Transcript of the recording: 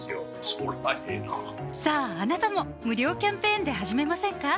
そりゃええなさぁあなたも無料キャンペーンで始めませんか？